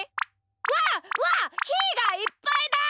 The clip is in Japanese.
うわうわひーがいっぱいだ！